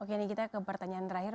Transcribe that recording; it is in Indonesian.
oke ini kita ke pertanyaan terakhir